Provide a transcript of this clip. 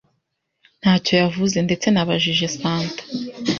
ntacyo yavuze. Ndetse nabajije Santa,